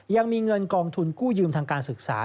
ยังมีเงินกองทุนกู้ยืมทางการศึกษา